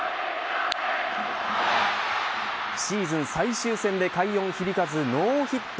シーズン最終戦で快音響かずノーヒット。